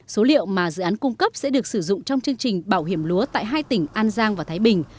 số liệu mà dự án cung cấp sẽ được sử dụng trong chương trình bảo hiểm lúa tại hai tỉnh an giang và thái bình